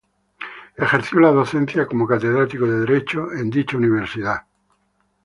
Ejerció la docencia como catedrático de Derecho en dicha universidad.